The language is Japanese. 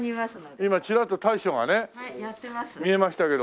今ちらっと大将がね見えましたけど。